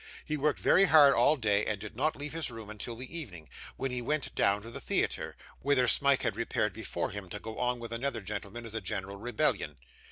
He worked very hard all day, and did not leave his room until the evening, when he went down to the theatre, whither Smike had repaired before him to go on with another gentleman as a general rebellion.